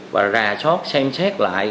và ra sót xem xét lại